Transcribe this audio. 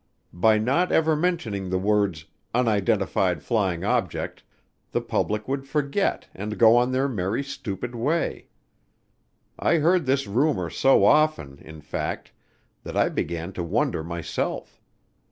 By not ever mentioning the words "unidentified flying object" the public would forget and go on their merry, stupid way. I heard this rumor so often, in fact, that I began to wonder myself.